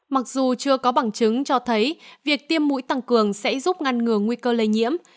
mặc dù chưa có bằng chứng cho thấy việc tiêm mũi tăng cường sẽ giúp ngăn ngừa nguy cơ lây nhiễm